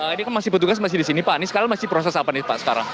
ini kan masih petugas masih di sini pak ini sekarang masih proses apa nih pak sekarang